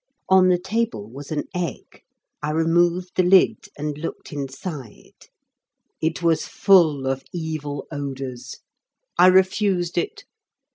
On the table was an egg. I removed the lid and looked inside. It was full of evil odours. I refused it.